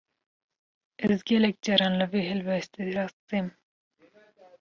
Ez, gelek caran li vê helwestê rast têm